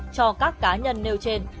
cho các cá nhân nêu trên